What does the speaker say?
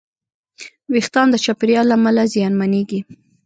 وېښتيان د چاپېریال له امله زیانمنېږي.